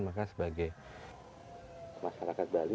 maka sebagai masyarakat bali